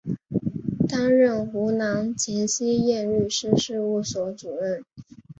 担任湖南秦希燕律师事务所主任。